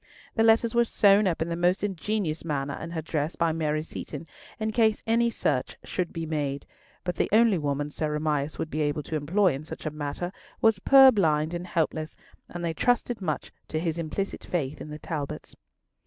The letters were sewn up in the most ingenious manner in her dress by Mary Seaton, in case any search should be made; but the only woman Sir Amias would be able to employ in such a matter was purblind and helpless, and they trusted much to his implicit faith in the Talbots.